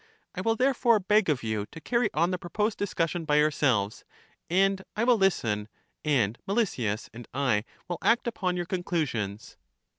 I will therefore beg of you to carry on the proposed discussion by yourselves; and I will listen, and Melesias and I will act upon your conclusions.